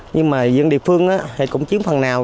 nhưng mà dân địa phương cũng chiếm phần nào